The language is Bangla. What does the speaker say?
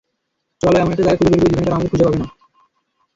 চল এমন একটা জায়গা খুঁজে বের করি, যেখানে তারা আমাদের খুঁজে পাবে না।